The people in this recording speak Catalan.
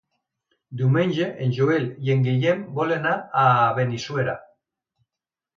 Diumenge en Joel i en Guillem volen anar a Benissuera.